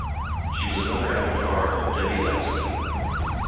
She was another avatar of Devi Laxmi.